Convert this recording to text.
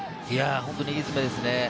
本当にいい詰めですね。